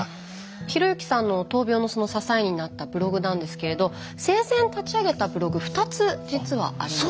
啓之さんの闘病のその支えになったブログなんですけれど生前立ち上げたブログ２つ実はあります。